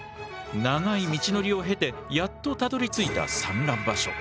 長い道のりを経てやっとたどりついた産卵場所。